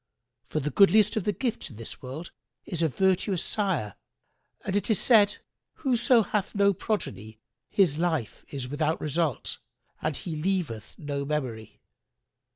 For the goodliest of the gifts in this world is a virtuous sire, and it is said, 'Whoso hath no progeny his life is without result and he leaveth no memory.'